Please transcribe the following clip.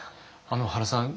原さん